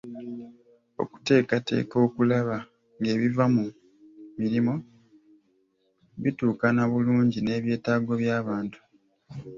Okuteekateeka okulaba ng'ebiva mu mirimu bituukana bulungi n'ebyetaago by'abantu.